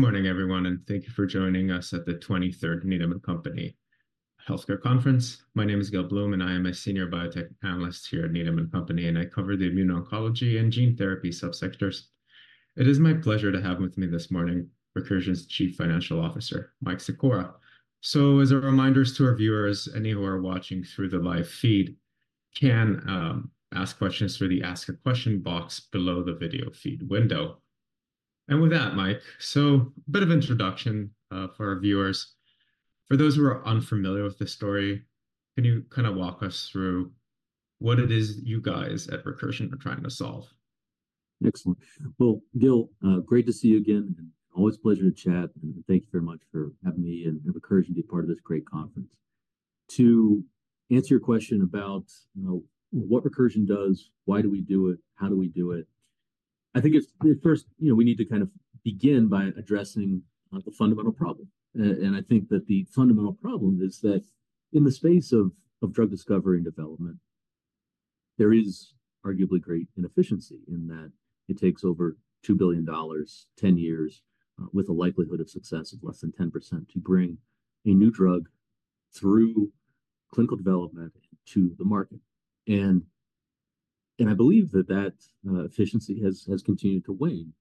Good morning, everyone, and thank you for joining us at the 23rd Needham & Company Healthcare Conference. My name is Gil Blum, and I am a Senior Biotech Analyst here at Needham & Company, and I cover the immuno-oncology and gene therapy subsectors. It is my pleasure to have with me this morning Recursion's Chief Financial Officer, Mike Secora. So as a reminder to our viewers, any who are watching through the live feed can ask questions through the Ask a Question box below the video feed window. And with that, Mike, so a bit of introduction for our viewers. For those who are unfamiliar with this story, can you kind of walk us through what it is you guys at Recursion are trying to solve? Excellent. Well, Gil, great to see you again, and always a pleasure to chat. And thank you very much for having me and Recursion be part of this great conference. To answer your question about, you know, what Recursion does, why do we do it, how do we do it, I think it's first, you know, we need to kind of begin by addressing the fundamental problem. And I think that the fundamental problem is that in the space of drug discovery and development, there is arguably great inefficiency in that it takes over $2 billion, 10 years, with a likelihood of success of less than 10% to bring a new drug through clinical development to the market. And I believe that that efficiency has continued to wane.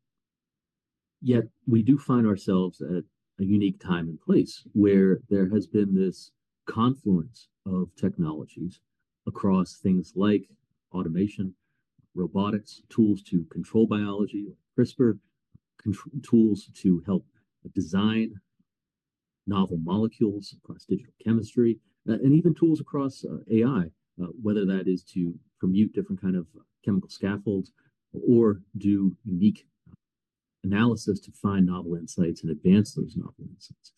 Yet we do find ourselves at a unique time and place where there has been this confluence of technologies across things like automation, robotics, tools to control biology, like CRISPR, tools to help design novel molecules across digital chemistry, and even tools across AI, whether that is to permute different kind of chemical scaffolds or do unique analysis to find novel insights and advance those novel insights.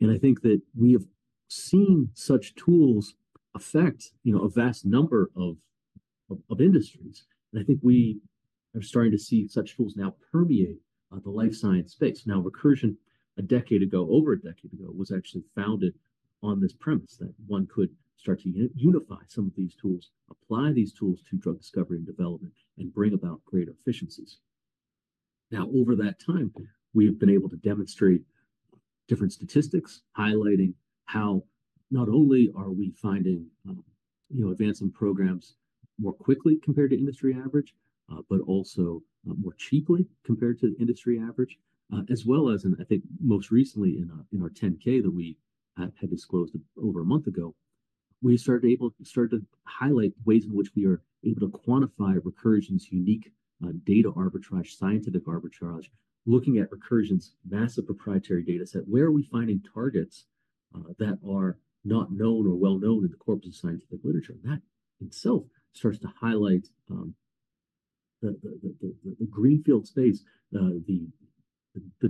And I think that we have seen such tools affect, you know, a vast number of industries, and I think we are starting to see such tools now permeate the life science space. Now, Recursion, a decade ago, over a decade ago, was actually founded on this premise, that one could start to unify some of these tools, apply these tools to drug discovery and development, and bring about greater efficiencies. Now, over that time, we have been able to demonstrate different statistics, highlighting how not only are we finding, you know, advancing programs more quickly compared to industry average, but also, more cheaply compared to the industry average. As well as in, I think, most recently in our 10-K that we had disclosed over a month ago, we started to highlight ways in which we are able to quantify Recursion's unique, data arbitrage, scientific arbitrage, looking at Recursion's massive proprietary data set. Where are we finding targets, that are not known or well known in the corpus of scientific literature? That itself starts to highlight, the greenfield space, the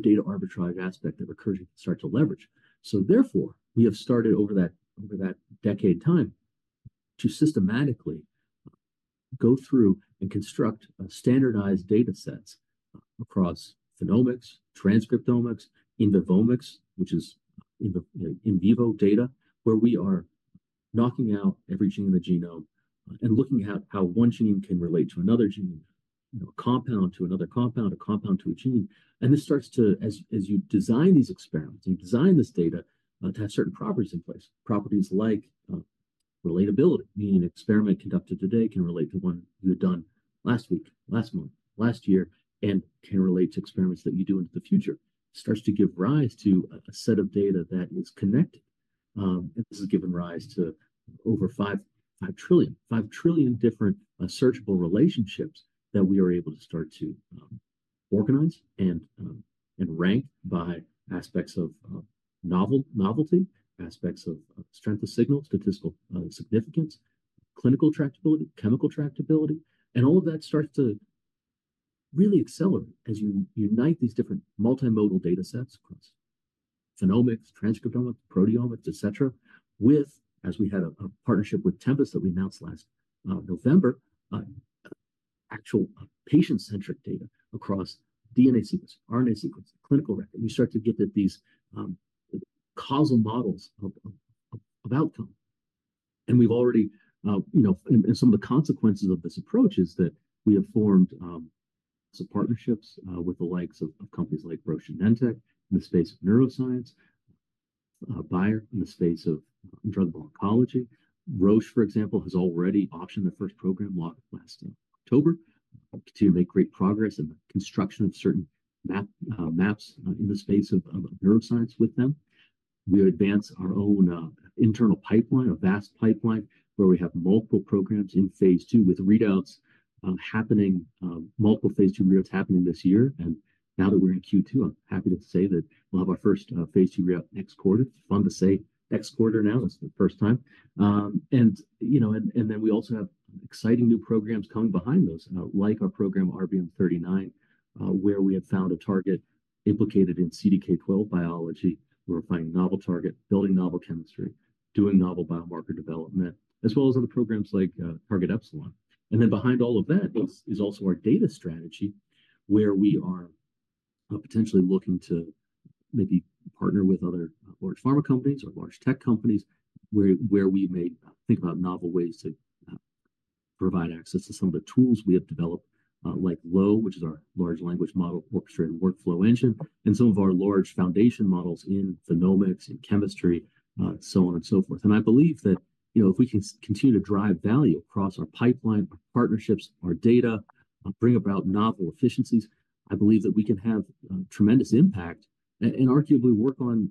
data arbitrage aspect that Recursion can start to leverage. So therefore, we have started over that, over that decade time, to systematically go through and construct standardized data sets across phenomics, transcriptomics, in-vivomics, which is in the, you know, in vivo data, where we are knocking out every gene in the genome and looking at how one gene can relate to another gene, you know, a compound to another compound, a compound to a gene. And this starts to... As you design these experiments, and you design this data, to have certain properties in place, properties like relatability, meaning an experiment conducted today can relate to one you had done last week, last month, last year, and can relate to experiments that you do into the future. It starts to give rise to a set of data that is connected, and this has given rise to over 5 trillion different searchable relationships that we are able to start to organize and rank by aspects of novelty, aspects of strength of signal, statistical significance, clinical tractability, chemical tractability. And all of that starts to really accelerate as you unite these different multimodal data sets across phenomics, transcriptomics, proteomics, et cetera, with, as we had a partnership with Tempus that we announced last November, actual patient-centric data across DNA sequence, RNA sequence, clinical record. You start to get at these causal models of outcome. And we've already, you know, and some of the consequences of this approach is that we have formed some partnerships with the likes of companies like Roche and Genentech in the space of neuroscience, Bayer in the space of drug oncology. Roche, for example, has already optioned their first program last October to make great progress in the construction of certain maps in the space of neuroscience with them. We advance our own internal pipeline, a vast pipeline, where we have multiple programs in phase II, with readouts happening, multiple phase II, readouts happening this year. And now that we're in Q2, I'm happy to say that we'll have our first phase II, readout next quarter. It's fun to say next quarter now, that's the first time. You know, then we also have exciting new programs coming behind those, like our program RBM39, where we have found a target implicated in CDK12 biology. We're finding novel target, building novel chemistry, doing novel biomarker development, as well as other programs like Target Epsilon. And then behind all of that is also our data strategy, where we are potentially looking to maybe partner with other large pharma companies or large tech companies, where we may think about novel ways to provide access to some of the tools we have developed, like LOWE, which is our Large Language Model Orchestrated Workflow Engine, and some of our large foundation models in phenomics and chemistry, so on and so forth. I believe that, you know, if we can continue to drive value across our pipeline, our partnerships, our data, and bring about novel efficiencies, I believe that we can have tremendous impact and arguably work on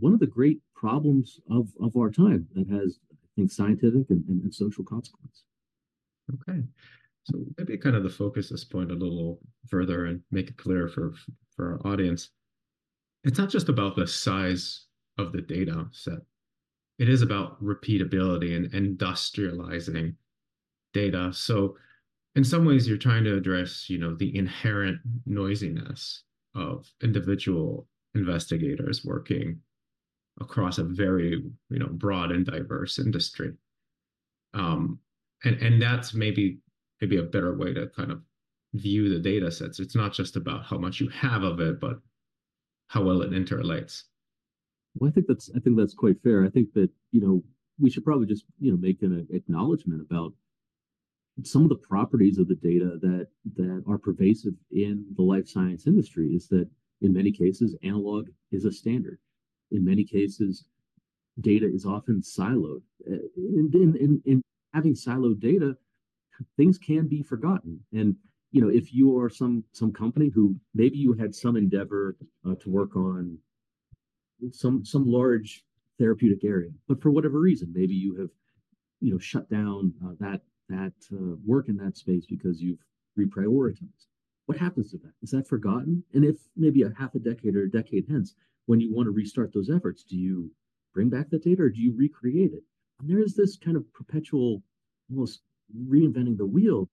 one of the great problems of our time that has, I think, scientific and social consequence. Okay. So maybe kind of the focus this point a little further and make it clear for, for our audience. It's not just about the size of the data set, it is about repeatability and industrializing data. So in some ways, you're trying to address, you know, the inherent noisiness of individual investigators working across a very, you know, broad and diverse industry. And that's maybe, maybe a better way to kind of view the data sets. It's not just about how much you have of it, but how well it interrelates. Well, I think that's quite fair. I think that, you know, we should probably just, you know, make an acknowledgement about some of the properties of the data that are pervasive in the life science industry, is that in many cases, analog is a standard. In many cases, data is often siloed. And in having siloed data, things can be forgotten. And, you know, if you are some company who maybe you had some endeavor to work on some large therapeutic area, but for whatever reason, maybe you have, you know, shut down that work in that space because you've reprioritized. What happens to that? Is that forgotten? And if maybe a half a decade or a decade hence, when you want to restart those efforts, do you bring back the data or do you recreate it? There is this kind of perpetual, almost reinventing the wheel.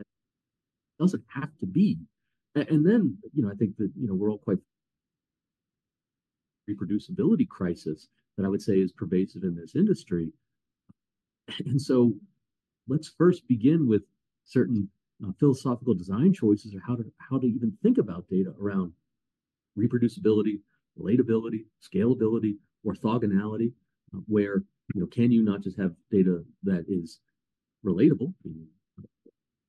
It doesn't have to be. You know, I think that, you know, we're all quite reproducibility crisis that I would say is pervasive in this industry. Let's first begin with certain philosophical design choices or how to, how to even think about data around reproducibility, relatability, scalability, orthogonality, where, you know, can you not just have data that is relatable, you know,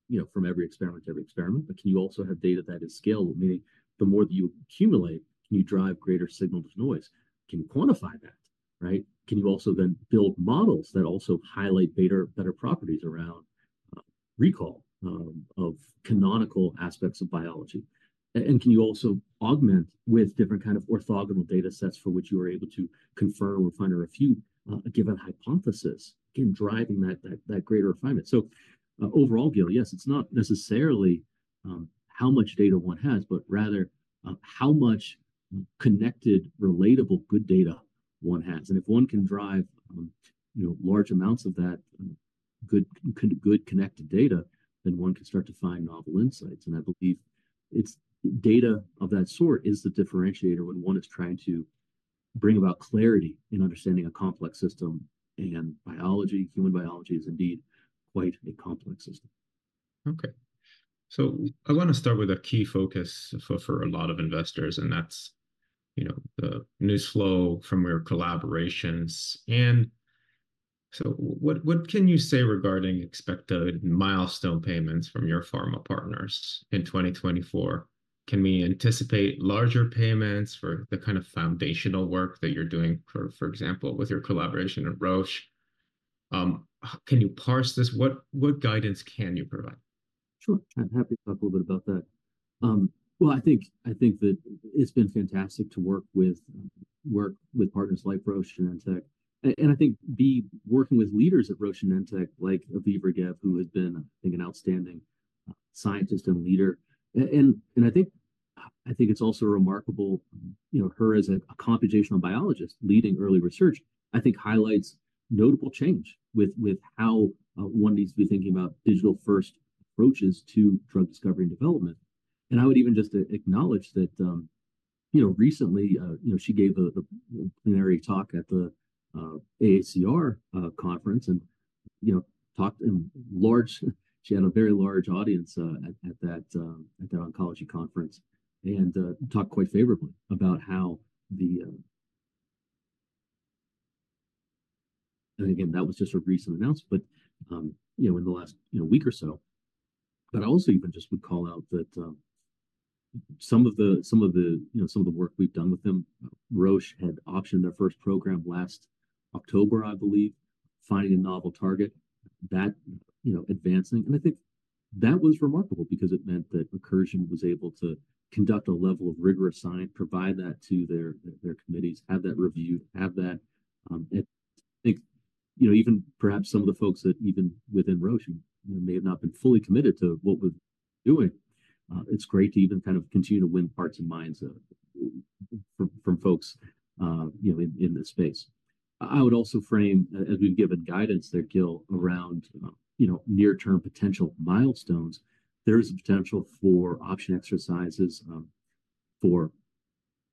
you know, from every experiment to every experiment, but can you also have data that is scalable? Meaning, the more that you accumulate, can you drive greater signal to noise? Can you quantify that, right? Can you also then build models that also highlight better, better properties around recall of canonical aspects of biology? And can you also augment with different kind of orthogonal data sets for which you are able to confirm or find or refute a given hypothesis in driving that greater refinement. So, overall, Gil, yes, it's not necessarily how much data one has, but rather how much connected, relatable, good data one has. And if one can drive, you know, large amounts of that good connected data, then one can start to find novel insights. And I believe it's data of that sort is the differentiator when one is trying to bring about clarity in understanding a complex system. And biology, human biology is indeed quite a complex system. Okay, so I want to start with a key focus for a lot of investors, and that's, you know, the news flow from your collaborations. And so what can you say regarding expected milestone payments from your pharma partners in 2024? Can we anticipate larger payments for the kind of foundational work that you're doing, for example, with your collaboration at Roche? Can you parse this? What guidance can you provide? Sure. I'm happy to talk a little bit about that. Well, I think, I think that it's been fantastic to work with, work with partners like Roche and Genentech. And I think being working with leaders at Roche and Genentech, like Aviv Regev, who has been, I think, an outstanding scientist and leader. And, and I think, I think it's also remarkable, you know, her as a computational biologist leading early research, I think highlights notable change with how one needs to be thinking about digital-first approaches to drug discovery and development. I would even just acknowledge that, you know, recently, you know, she gave a plenary talk at the AACR conference and, you know, she had a very large audience at that oncology conference, and talked quite favorably about how the. And again, that was just a recent announcement, but, you know, in the last, you know, week or so. But I also even just would call out that some of the work we've done with them, Roche had optioned their first program last October, I believe, finding a novel target that, you know, advancing. And I think that was remarkable because it meant that Recursion was able to conduct a level of rigorous science, provide that to their committees, have that reviewed. I think, you know, even perhaps some of the folks that even within Roche may have not been fully committed to what we're doing, it's great to even kind of continue to win hearts and minds from folks, you know, in this space. I would also frame as we've given guidance there, Gil, around, you know, near-term potential milestones. There is a potential for option exercises for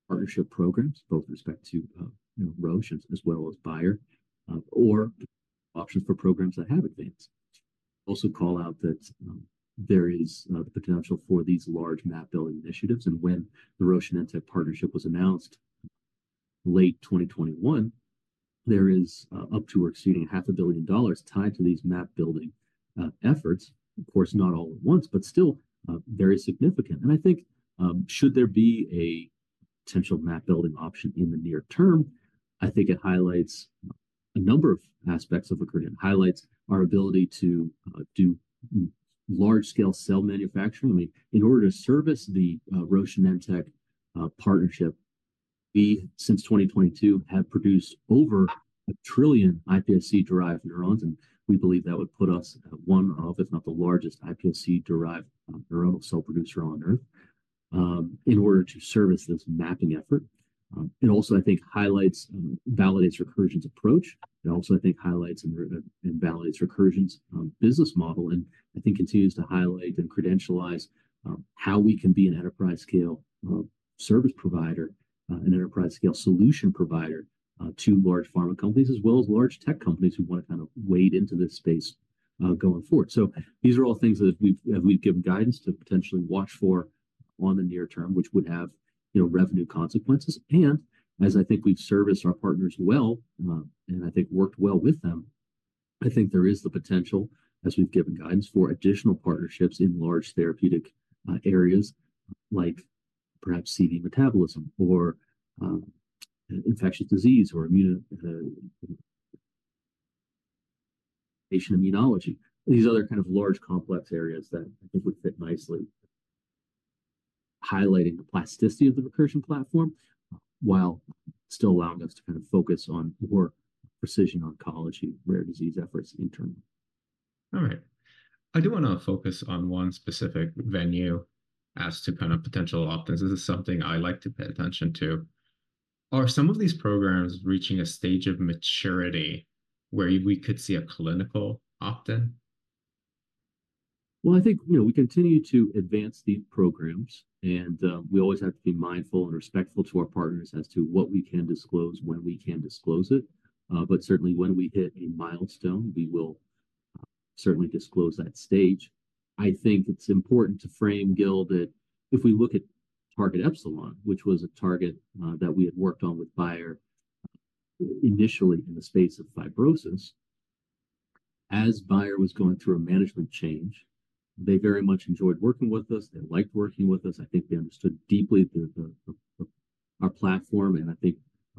partnership programs, both with respect to, you know, Roche as well as Bayer, or options for programs that have advanced. Also call out that there is the potential for these large map-building initiatives. When the Roche and Genentech partnership was announced late 2021, there is up to or exceeding $500 million tied to these map-building efforts. Of course, not all at once, but still very significant. And I think should there be a potential map-building option in the near term, I think it highlights a number of aspects of Recursion. It highlights our ability to do large-scale cell manufacturing. I mean, in order to service the Roche Genentech partnership, we since 2022 have produced over 1 trillion iPSC-derived neurons, and we believe that would put us at one of, if not the largest, iPSC-derived neural cell producer on Earth in order to service this mapping effort. It also, I think, highlights and validates Recursion's approach. It also, I think, highlights and validates Recursion's business model, and I think continues to highlight and credentialize how we can be an enterprise-scale service provider, an enterprise-scale solution provider, to large pharma companies, as well as large tech companies who want to kind of wade into this space going forward. So these are all things that we've given guidance to potentially watch for on the near term, which would have, you know, revenue consequences. And as I think we've serviced our partners well, and I think worked well with them, I think there is the potential, as we've given guidance, for additional partnerships in large therapeutic areas, like perhaps CV metabolism or infectious disease or Immunology & Inflammation. These are other kind of large, complex areas that I think would fit nicely, highlighting the plasticity of the Recursion platform, while still allowing us to kind of focus on more precision oncology, rare disease efforts internally. All right. I do want to focus on one specific venue as to kind of potential opt-ins. This is something I like to pay attention to. Are some of these programs reaching a stage of maturity where we could see a clinical opt-in? Well, I think, you know, we continue to advance the programs, and we always have to be mindful and respectful to our partners as to what we can disclose, when we can disclose it. But certainly, when we hit a milestone, we will certainly disclose that stage. I think it's important to frame, Gil, that if we look at Target Epsilon, which was a target that we had worked on with Bayer initially in the space of fibrosis, as Bayer was going through a management change, they very much enjoyed working with us. They liked working with us. I think they understood deeply our platform, and I think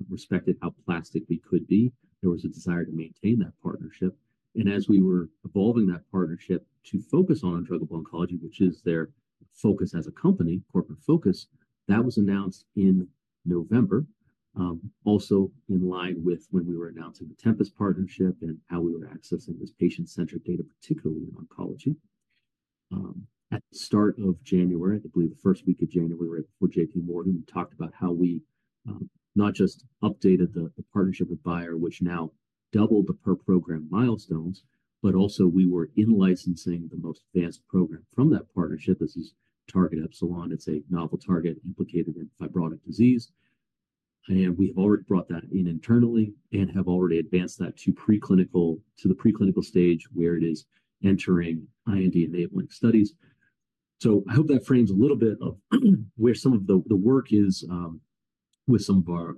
respected how plastic we could be. There was a desire to maintain that partnership, and as we were evolving that partnership to focus on undruggable oncology, which is their focus as a company, corporate focus, that was announced in November. Also in line with when we were announcing the Tempus partnership and how we were accessing this patient-centric data, particularly in oncology. At the start of January, I believe the first week of January, we were at JPMorgan, we talked about how we not just updated the partnership with Bayer, which now doubled the per-program milestones, but also we were in-licensing the most advanced program from that partnership. This is Target Epsilon. It's a novel target implicated in fibrotic disease, and we have already brought that in internally and have already advanced that to the preclinical stage, where it is entering IND-enabling studies. So I hope that frames a little bit of where some of the work is with some of our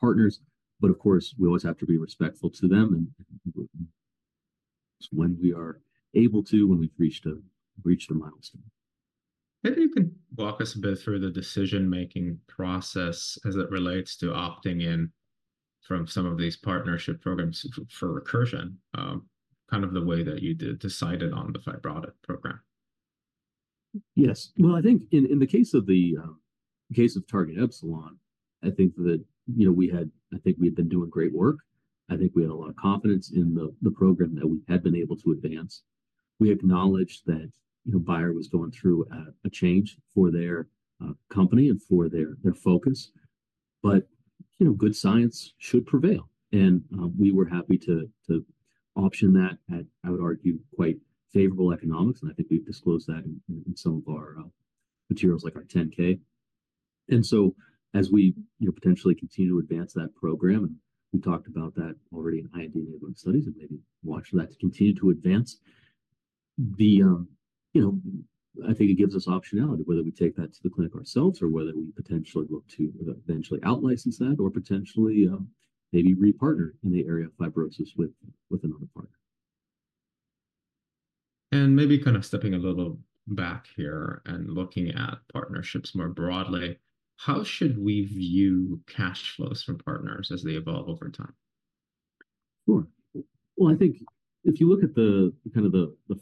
partners, but of course, we always have to be respectful to them, and when we are able to, when we've reached a milestone. Maybe you can walk us a bit through the decision-making process as it relates to opting in from some of these partnership programs for Recursion, kind of the way that you decided on the fibrotic program. Yes. Well, I think in the case of Target Epsilon, I think that, you know, we had, I think we had been doing great work. I think we had a lot of confidence in the program that we had been able to advance. We acknowledged that, you know, Bayer was going through a change for their company and for their focus, but, you know, good science should prevail, and we were happy to option that at, I would argue, quite favorable economics, and I think we've disclosed that in some of our materials, like our 10-K. And so as we, you know, potentially continue to advance that program, and we talked about that already in IND-enabling studies and maybe watching that to continue to advance. You know, I think it gives us optionality, whether we take that to the clinic ourselves, or whether we potentially look to eventually out-license that, or potentially, maybe repartner in the area of fibrosis with another partner. Maybe kind of stepping a little back here and looking at partnerships more broadly, how should we view cash flows from partners as they evolve over time? Sure. Well, I think if you look at the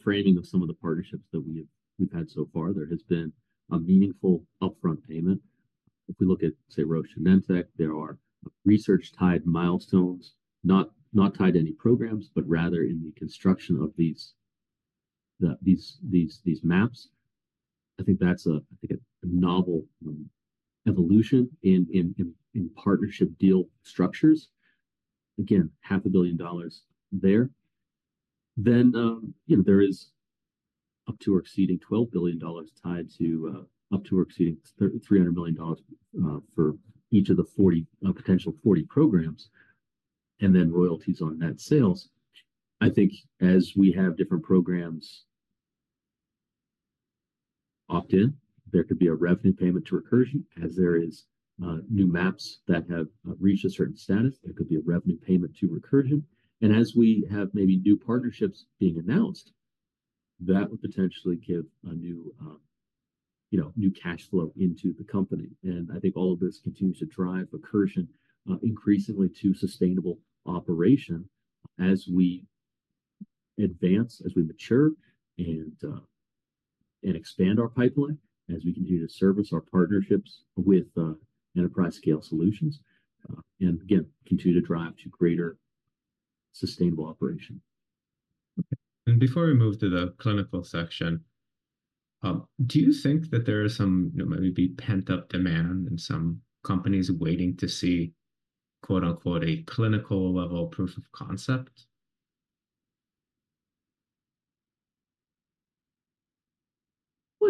framing of some of the partnerships that we've had so far, there has been a meaningful upfront payment. If we look at, say, Roche Genentech, there are research-tied milestones, not tied to any programs, but rather in the construction of these maps. I think that's a novel evolution in partnership deal structures. Again, $500 million there. Then, you know, there is up to or exceeding $12 billion tied to up to or exceeding $300 million for each of the 40 potential programs, and then royalties on net sales. I think as we have different programs. Opt in, there could be a revenue payment to Recursion as there is new maps that have reached a certain status, there could be a revenue payment to Recursion. And as we have maybe new partnerships being announced, that would potentially give a new, you know, new cash flow into the company. And I think all of this continues to drive Recursion increasingly to sustainable operation as we advance, as we mature, and expand our pipeline, as we continue to service our partnerships with enterprise-scale solutions, and again, continue to drive to greater sustainable operation. Before we move to the clinical section, do you think that there is some, you know, maybe pent-up demand and some companies waiting to see, quote-unquote, "a clinical-level proof of concept"?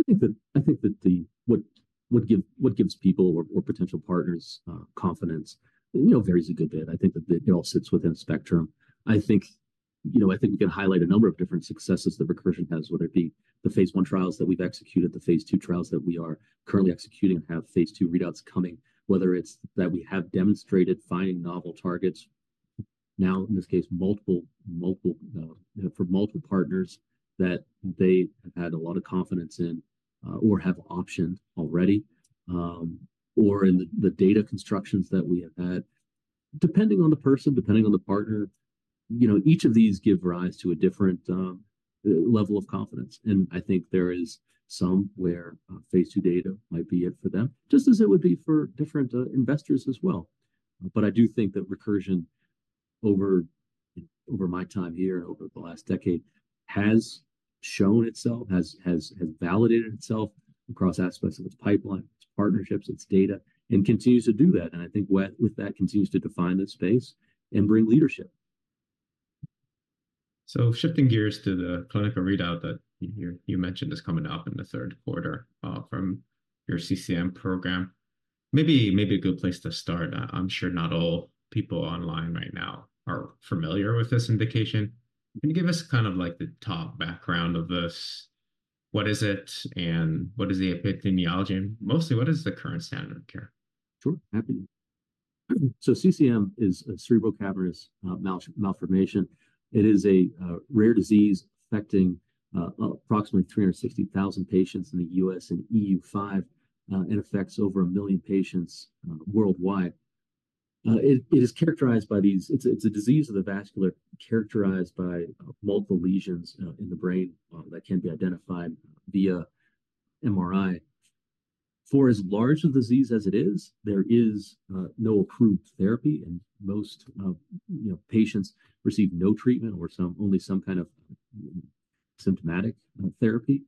Well, I think that the what gives people or potential partners confidence, you know, varies a good bit. I think that it all sits within a spectrum. I think, you know, we can highlight a number of different successes that Recursion has, whether it be the phase I, trials that we've executed, the phase II, trials that we are currently executing and have phase II, readouts coming, whether it's that we have demonstrated finding novel targets. Now, in this case, multiple for multiple partners that they have had a lot of confidence in or have optioned already or in the data constructions that we have had. Depending on the person, depending on the partner, you know, each of these give rise to a different level of confidence, and I think there is somewhere phase II, data might be it for them, just as it would be for different investors as well. But I do think that Recursion, over my time here and over the last decade, has shown itself, has validated itself across aspects of its pipeline, its partnerships, its data, and continues to do that. And I think what with that continues to define the space and bring leadership. So shifting gears to the clinical readout that you mentioned is coming up in the third quarter from your CCM program. Maybe a good place to start, I'm sure not all people online right now are familiar with this indication. Can you give us kind of like the top background of this? What is it, and what is the epidemiology? And mostly, what is the current standard of care? Sure, happy to. So CCM is a cerebral cavernous malformation. It is a rare disease affecting approximately 360,000 patients in the U.S. and EU5. It affects over 1 million patients worldwide. It is characterized by these. It's a disease of the vascular, characterized by multiple lesions in the brain that can be identified via MRI. For as large a disease as it is, there is no approved therapy, and most, you know, patients receive no treatment or some, only some kind of symptomatic therapy.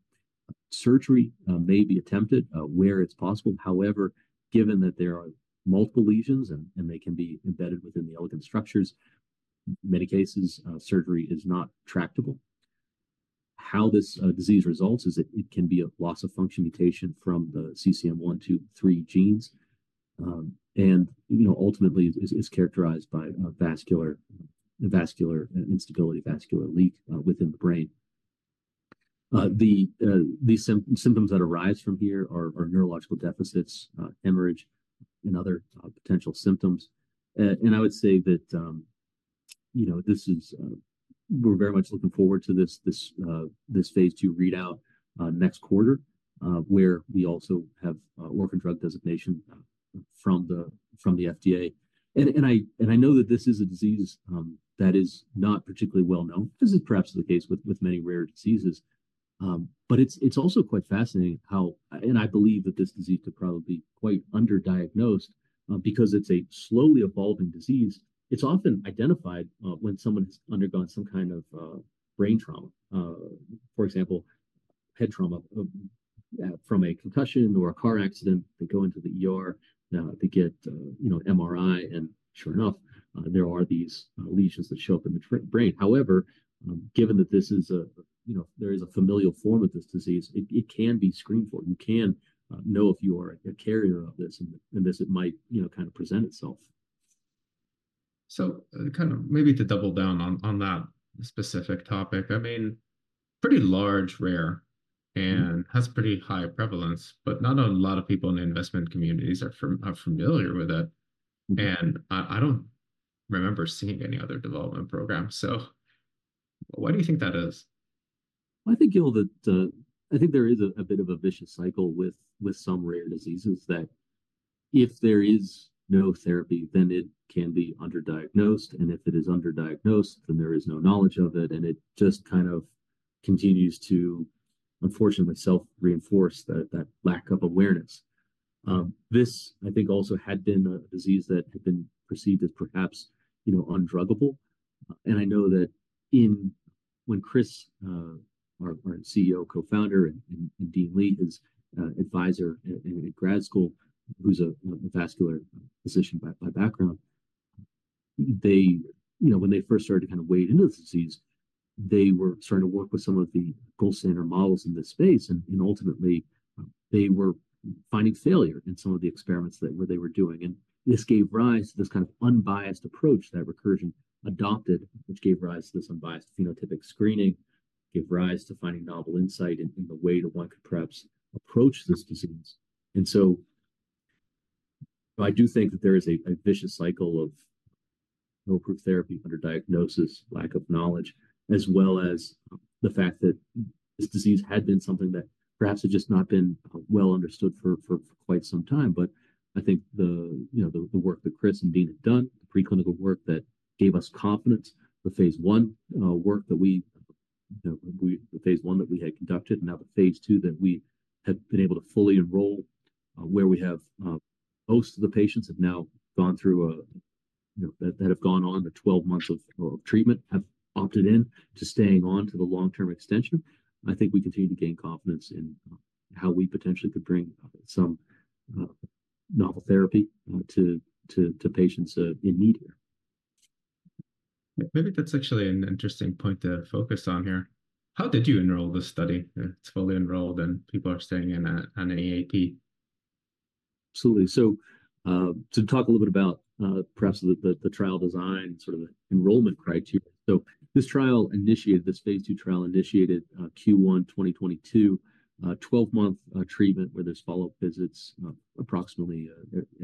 Surgery may be attempted where it's possible. However, given that there are multiple lesions and they can be embedded within the eloquent structures, in many cases surgery is not tractable. How this disease results is it can be a loss-of-function mutation from the CCM 1, 2, 3 genes, and, you know, ultimately is characterized by vascular instability, vascular leak within the brain. The symptoms that arise from here are neurological deficits, hemorrhage, and other potential symptoms. And I would say that, you know, this is... We're very much looking forward to this phase II, readout next quarter, where we also have Orphan Drug Designation from the FDA. And I know that this is a disease that is not particularly well known. This is perhaps the case with, with many rare diseases, but it's, it's also quite fascinating how, and I believe that this disease could probably be quite underdiagnosed, because it's a slowly evolving disease. It's often identified, when someone has undergone some kind of, brain trauma, for example, head trauma, from a concussion or a car accident. They go into the ER, they get, you know, MRI, and sure enough, there are these, lesions that show up in the brain. However, given that this is a, you know, there is a familial form of this disease, it, it can be screened for. You can, know if you are a carrier of this, and, and this, it might, you know, kind of present itself. So, kind of maybe to double down on that specific topic, I mean, pretty large, rare, and has pretty high prevalence, but not a lot of people in the investment communities are familiar with it. And I don't remember seeing any other development program. So why do you think that is? I think, Gil, that I think there is a bit of a vicious cycle with some rare diseases, that if there is no therapy, then it can be underdiagnosed, and if it is underdiagnosed, then there is no knowledge of it, and it just kind of continues to, unfortunately, self-reinforce that lack of awareness. This, I think, also had been a disease that had been perceived as perhaps, you know, undruggable. And I know that in—when Chris, our CEO, co-founder, and Dean Li, his advisor in grad school, who's a, you know, vascular physician by background, they. You know, when they first started to kind of wade into the disease, they were starting to work with some of the gold standard models in this space. And ultimately. They were finding failure in some of the experiments that they were doing, and this gave rise to this kind of unbiased approach that Recursion adopted, which gave rise to this unbiased phenotypic screening, gave rise to finding novel insight in the way that one could perhaps approach this disease. And so I do think that there is a vicious cycle of no approved therapy, under diagnosis, lack of knowledge, as well as the fact that this disease had been something that perhaps had just not been well understood for quite some time. But I think the, you know, the work that Chris and Dean have done, the preclinical work that gave us confidence, the phase I work that we had conducted and now the phase II that we have been able to fully enroll, where we have, most of the patients have now gone through a, you know, that have gone on to 12 months of treatment, have opted in to staying on to the long-term extension. I think we continue to gain confidence in how we potentially could bring some novel therapy to patients in need here. Maybe that's actually an interesting point to focus on here. How did you enroll this study? It's fully enrolled, and people are staying on an AAP. Absolutely. So, to talk a little bit about, perhaps the, the, the trial design, sort of the enrollment criteria. So this trial initiated, this phase II trial, initiated, Q1 2022, a 12-month, treatment, where there's follow-up visits, approximately,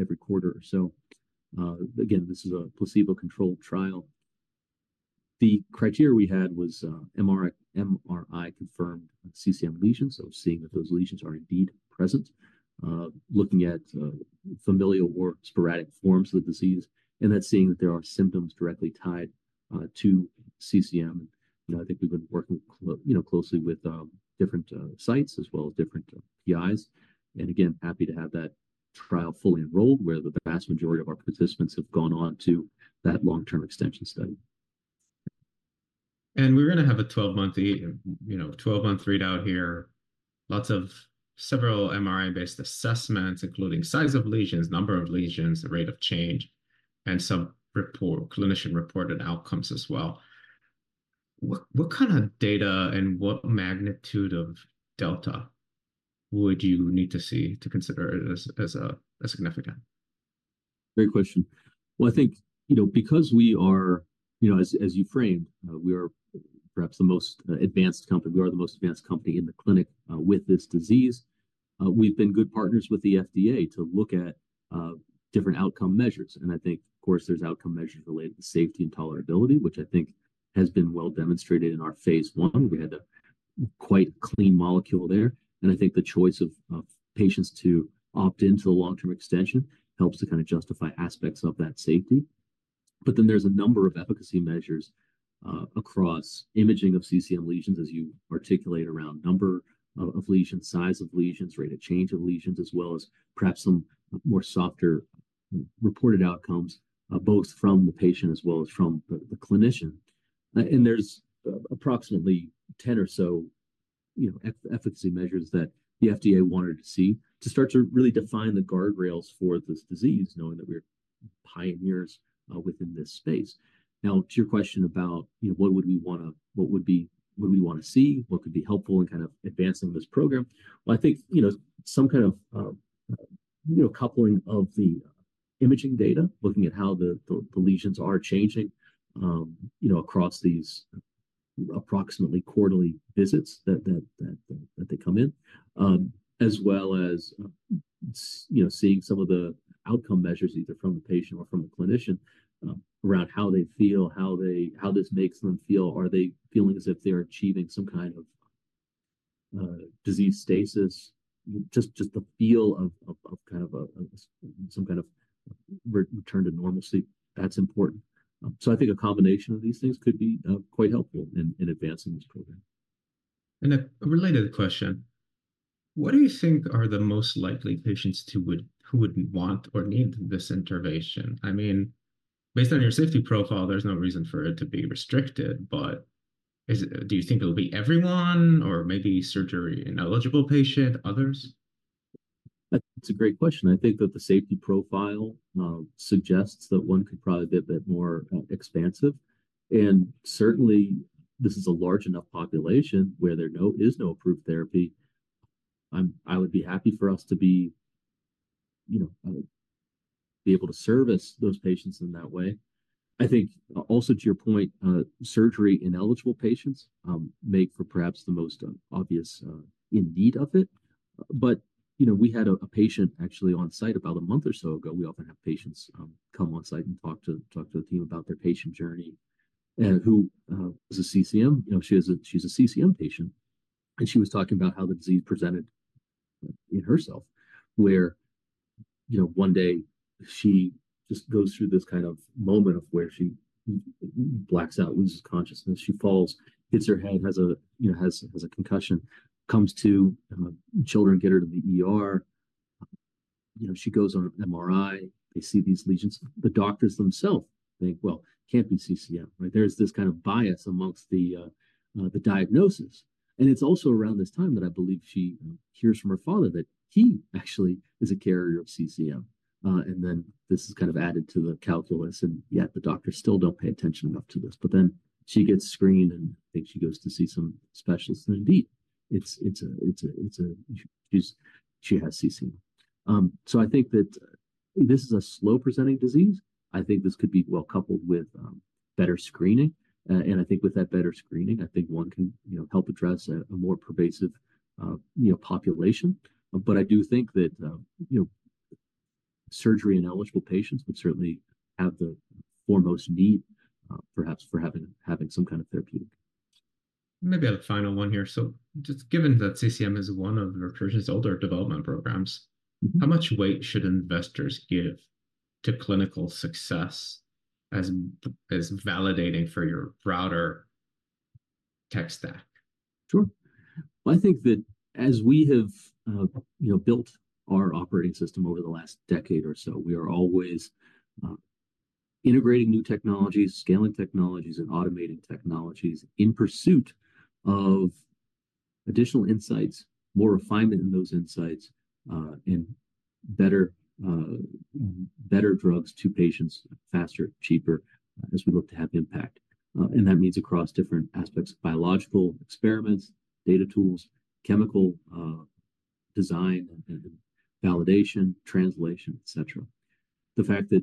every quarter or so. Again, this is a placebo-controlled trial. The criteria we had was, MRI, MRI-confirmed CCM lesions, so seeing that those lesions are indeed present, looking at, familial or sporadic forms of the disease, and then seeing that there are symptoms directly tied, to CCM. You know, I think we've been working you know, closely with, different, sites as well as different PIs. And again, happy to have that trial fully enrolled, where the vast majority of our participants have gone on to that long-term extension study. We're gonna have a 12-month, you know, 12-month readout here. Lots of several MRI-based assessments, including size of lesions, number of lesions, the rate of change, and some report, clinician-reported outcomes as well. What kind of data and what magnitude of delta would you need to see to consider it as a significant? Great question. Well, I think, you know, because we are, you know, as you framed, we are perhaps the most advanced company, we are the most advanced company in the clinic with this disease. We've been good partners with the FDA to look at different outcome measures. And I think, of course, there's outcome measures related to safety and tolerability, which I think has been well demonstrated in our phase I. We had a quite clean molecule there, and I think the choice of patients to opt into the long-term extension helps to kind of justify aspects of that safety. But then there's a number of efficacy measures across imaging of CCM lesions, as you articulate, around number of lesions, size of lesions, rate of change of lesions, as well as perhaps some more softer reported outcomes both from the patient as well as from the clinician. And there's approximately 10 or so, you know, efficacy measures that the FDA wanted to see to start to really define the guardrails for this disease, knowing that we're pioneers within this space. Now, to your question about, you know, what would we want to see, what could be helpful in kind of advancing this program? Well, I think, you know, some kind of, you know, coupling of the imaging data, looking at how the lesions are changing, you know, across these approximately quarterly visits that they come in. As well as, you know, seeing some of the outcome measures, either from the patient or from the clinician, around how they feel, how this makes them feel. Are they feeling as if they're achieving some kind of disease stasis? Just the feel of kind of a some kind of return to normalcy. That's important. So I think a combination of these things could be quite helpful in advancing this program. A related question: What do you think are the most likely patients who would want or need this intervention? I mean, based on your safety profile, there's no reason for it to be restricted, but is it, do you think it'll be everyone or maybe surgery-ineligible patient, others? That's a great question. I think that the safety profile suggests that one could probably be a bit more expansive. And certainly, this is a large enough population where there is no approved therapy. I would be happy for us to be, you know, be able to service those patients in that way. I think also, to your point, surgery-ineligible patients make for perhaps the most obvious in need of it. But, you know, we had a patient actually on-site about a month or so ago. We often have patients come on-site and talk to the team about their patient journey. Who is a CCM, you know, she is, she's a CCM patient, and she was talking about how the disease presented in herself, where, you know, one day she just goes through this kind of moment of where she blacks out, loses consciousness. She falls, hits her head, you know, has a concussion, comes to, children get her to the ER. You know, she goes on an MRI. They see these lesions. The doctors themselves think, "Well, can't be CCM," right? There's this kind of bias among the diagnosis. And it's also around this time that I believe she hears from her father that he actually is a carrier of CCM and then this is kind of added to the calculus, and yet the doctors still don't pay attention enough to this. But then she gets screened, and I think she goes to see some specialist, and indeed, it's CCM. She has CCM. So I think that this is a slow-presenting disease. I think this could be well coupled with better screening. And I think with that better screening, I think one can, you know, help address a more pervasive, you know, population. But I do think that, you know, surgery-ineligible patients would certainly have the foremost need, perhaps for having some kind of therapeutic. Maybe I have a final one here. So just given that CCM is one of Recursion's older development programs. How much weight should investors give to clinical success as validating for your broader tech stack? Sure. Well, I think that as we have, you know, built our operating system over the last decade or so, we are always integrating new technologies, scaling technologies, and automating technologies in pursuit of additional insights, more refinement in those insights, and better drugs to patients faster, cheaper, as we look to have impact. And that means across different aspects, biological experiments, data tools, chemical design and validation, translation, et cetera. The fact that,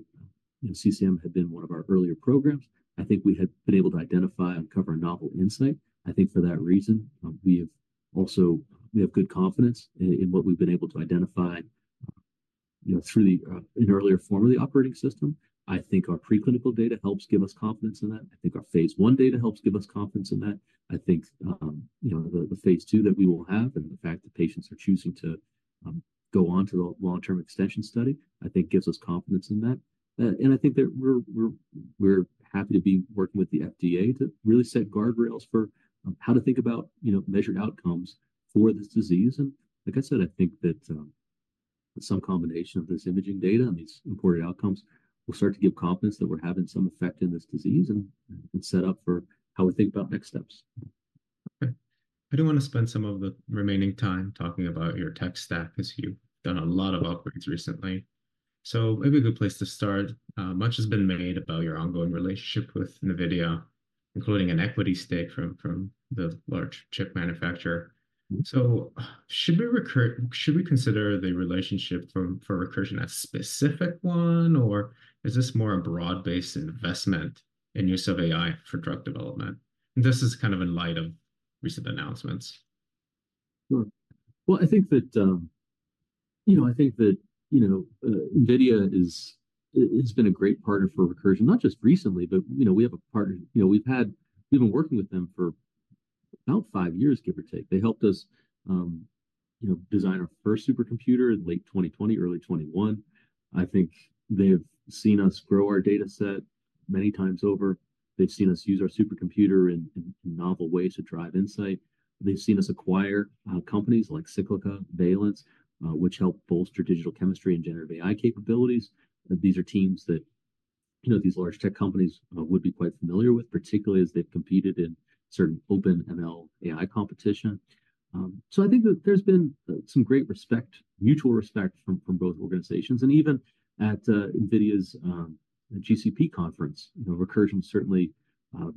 you know, CCM had been one of our earlier programs, I think we had been able to identify and uncover a novel insight. I think for that reason, we have also we have good confidence in what we've been able to identify, you know, through the an earlier form of the operating system. I think our preclinical data helps give us confidence in that. I think our phase I data helps give us confidence in that. I think, you know, the phase II that we will have and the fact that patients are choosing to go on to the long-term extension study, I think gives us confidence in that. And I think that we're happy to be working with the FDA to really set guardrails for how to think about, you know, measured outcomes for this disease. Like I said, I think that some combination of this imaging data and these important outcomes will start to give confidence that we're having some effect in this disease, and it's set up for how we think about next steps. Okay. I do want to spend some of the remaining time talking about your tech stack, as you've done a lot of upgrades recently. So maybe a good place to start, much has been made about your ongoing relationship with NVIDIA, including an equity stake from the large chip manufacturer. So should we consider the relationship from for Recursion a specific one, or is this more a broad-based investment in use of AI for drug development? And this is kind of in light of recent announcements. Sure. Well, I think that, you know, I think that, you know, NVIDIA is, has been a great partner for Recursion, not just recently, but, you know, we have a partner... You know, we've had-- We've been working with them for about five years, give or take. They helped us, you know, design our first supercomputer in late 2020, early 2021. I think they have seen us grow our data set many times over. They've seen us use our supercomputer in, in novel ways to drive insight. They've seen us acquire, companies like Cyclica, Valence, which help bolster digital chemistry and generative AI capabilities. These are teams that, you know, these large tech companies, would be quite familiar with, particularly as they've competed in certain open ML AI competition. So I think that there's been some great respect, mutual respect from both organizations. And even at NVIDIA's GTC conference, you know, Recursion certainly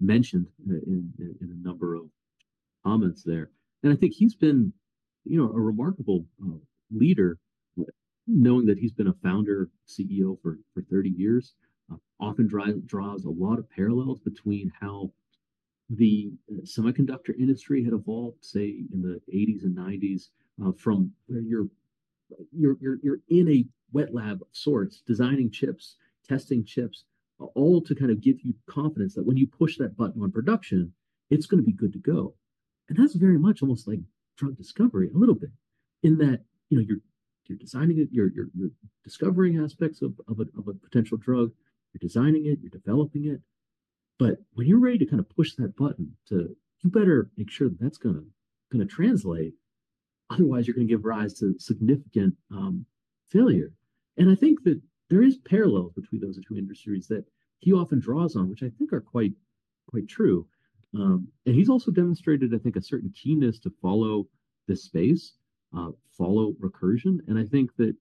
mentioned in a number of comments there. And I think he's been, you know, a remarkable leader, knowing that he's been a founder CEO for 30 years. Often draws a lot of parallels between how the semiconductor industry had evolved, say, in the 80s and 90s, from where you're in a wet lab of sorts, designing chips, testing chips, all to kind of give you confidence that when you push that button on production, it's gonna be good to go. And that's very much almost like drug discovery a little bit, in that, you know, you're designing it, you're discovering aspects of a potential drug. You're designing it, you're developing it. But when you're ready to kind of push that button, to you better make sure that's gonna translate. Otherwise, you're gonna give rise to significant failure. I think that there is parallels between those two industries that he often draws on, which I think are quite, quite true. And he's also demonstrated, I think, a certain keenness to follow this space, follow Recursion. And I think that,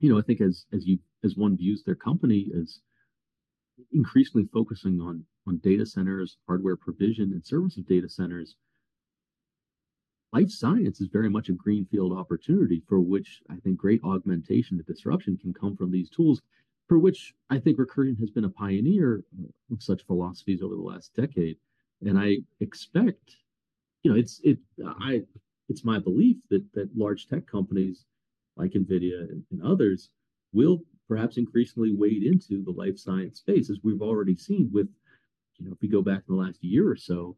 you know, I think as one views their company as increasingly focusing on data centers, hardware provision, and service of data centers, life science is very much a greenfield opportunity for which I think great augmentation and disruption can come from these tools, for which I think Recursion has been a pioneer of such philosophies over the last decade. And I expect... You know, it's my belief that large tech companies like NVIDIA and others will perhaps increasingly wade into the life science space, as we've already seen with, you know, if you go back in the last year or so,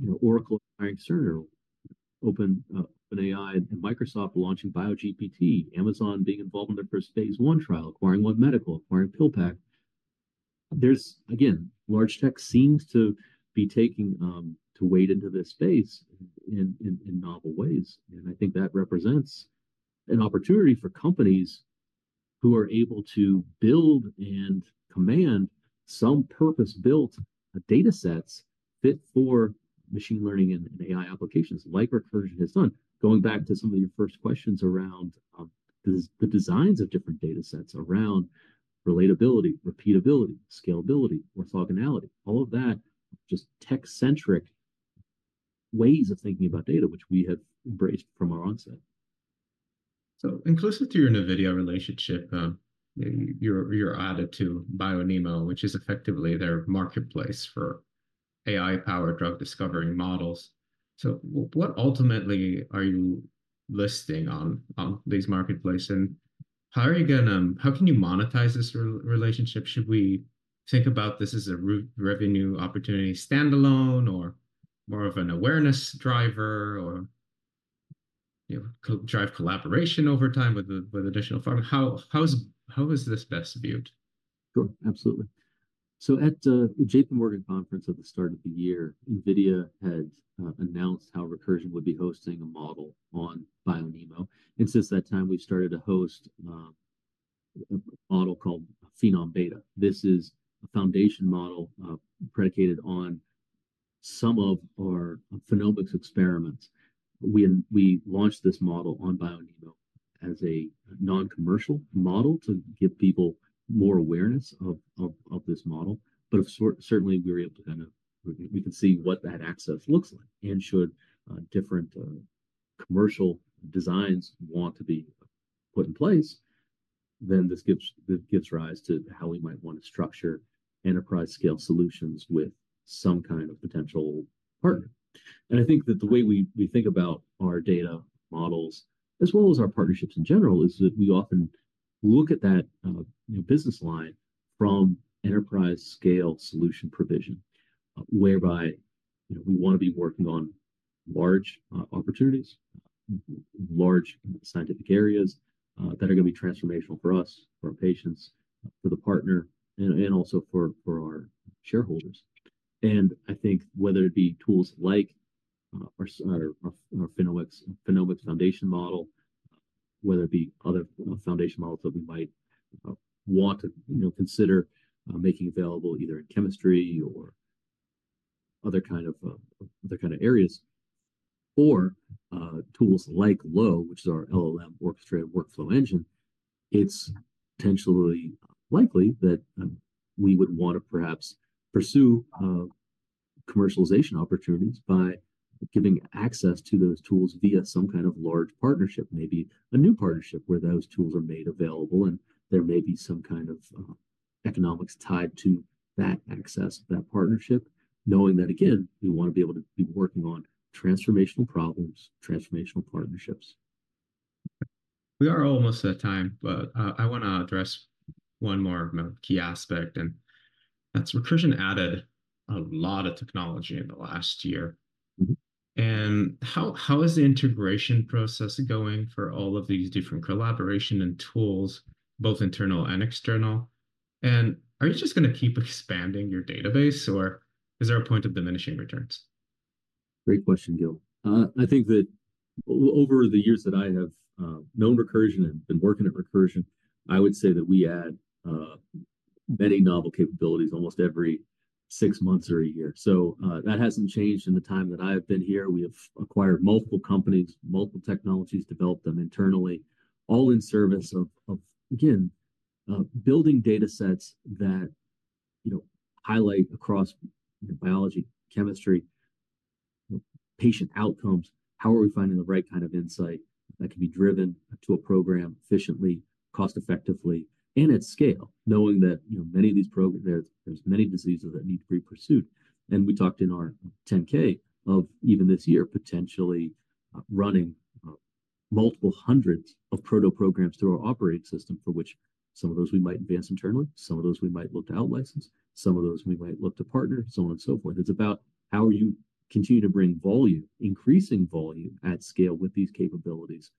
you know, Oracle and Cerner, OpenAI and Microsoft launching BioGPT, Amazon being involved in their first phase I trial, acquiring One Medical, acquiring PillPack. There's, again, large tech seems to be taking to wade into this space in novel ways. And I think that represents an opportunity for companies who are able to build and command some purpose-built datasets fit for machine learning and AI applications like Recursion has done. Going back to some of your first questions around the designs of different datasets, around relatability, repeatability, scalability, orthogonality, all of that, just tech-centric ways of thinking about data, which we have embraced from our onset. So inclusive to your NVIDIA relationship, you're added to BioNeMo, which is effectively their marketplace for AI-powered drug discovery models. So what ultimately are you listing on this marketplace, and how are you gonna, how can you monetize this relationship? Should we think about this as a revenue opportunity standalone, or more of an awareness driver, or, you know, co-drive collaboration over time with additional funding? How is this best viewed? Sure. Absolutely. So at the JPMorgan conference at the start of the year, NVIDIA had announced how Recursion would be hosting a model on BioNeMo. And since that time, we've started to host a model called Phenom-Beta. This is a foundation model predicated on some of our phenomics experiments. We launched this model on BioNeMo as a non-commercial model to give people more awareness of this model. But certainly, we were able to kind of. We can see what that access looks like, and should different commercial designs want to be put in place, then this gives rise to how we might want to structure enterprise-scale solutions with some kind of potential partner. I think that the way we think about our data models, as well as our partnerships in general, is that we often look at that, you know, business line from enterprise-scale solution provision, whereby, you know, we want to be working on large opportunities, large scientific areas, that are going to be transformational for us, for our patients, for the partner, and also for our shareholders. I think whether it be tools like our Phenomics foundation model, whether it be other foundation models that we might want to, you know, consider making available either in chemistry or other kind of areas, or tools like LOWE, which is our LLM Orchestrated Workflow Engine, it's potentially likely that we would want to perhaps pursue commercialization opportunities by giving access to those tools via some kind of large partnership, maybe a new partnership, where those tools are made available. There may be some kind of economics tied to that access, that partnership, knowing that, again, we want to be able to be working on transformational problems, transformational partnerships. We are almost at time, but I want to address one more key aspect, and that's Recursion added a lot of technology in the last year. Mm-hmm. How is the integration process going for all of these different collaboration and tools, both internal and external? Are you just gonna keep expanding your database, or is there a point of diminishing returns? Great question, Gil. I think that over the years that I have known Recursion and been working at Recursion, I would say that we add many novel capabilities almost every six months or a year. So, that hasn't changed in the time that I've been here. We have acquired multiple companies, multiple technologies, developed them internally, all in service of of again building datasets that, you know, highlight across biology, chemistry, patient outcomes. How are we finding the right kind of insight that can be driven to a program efficiently, cost-effectively, and at scale, knowing that, you know, many of these programs, there's many diseases that need to be pursued. We talked in our 10-K of even this year, potentially, running, multiple hundreds of proto programs through our operating system, for which some of those we might advance internally, some of those we might look to out-license, some of those we might look to partner, so on and so forth. It's about how you continue to bring volume, increasing volume at scale with these capabilities,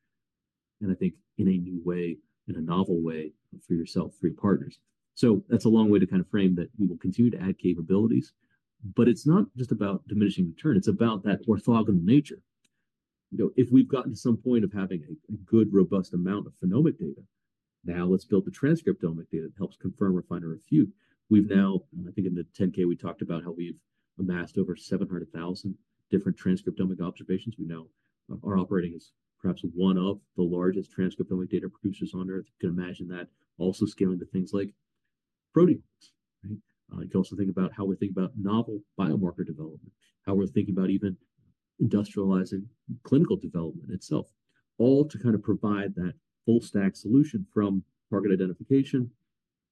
and I think in a new way, in a novel way for yourself, for your partners. So that's a long way to kind of frame that we will continue to add capabilities, but it's not just about diminishing return, it's about that orthogonal nature. You know, if we've gotten to some point of having a good, robust amount of phenomic data, now let's build the transcriptomic data that helps confirm, refine, or refute. We've now, I think in the 10-K, we talked about how we've amassed over 700,000 different transcriptomic observations. We now are operating as perhaps one of the largest transcriptomic data producers on Earth. You can imagine that also scaling to things like proteomics, right? You can also think about how we're thinking about novel biomarker development, how we're thinking about even industrializing clinical development itself, all to kind of provide that full-stack solution from target identification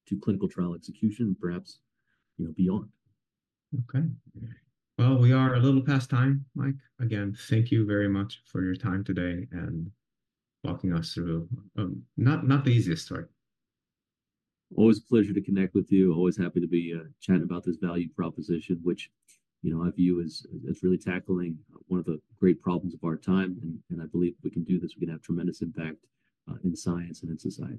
to clinical trial execution, perhaps, you know, beyond. Okay. Well, we are a little past time, Mike. Again, thank you very much for your time today and walking us through not the easiest story. Always a pleasure to connect with you. Always happy to be chatting about this value proposition, which, you know, I view as really tackling one of the great problems of our time, and I believe we can do this. We can have tremendous impact in science and in society.